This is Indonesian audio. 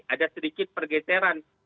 ada sedikit pergeteran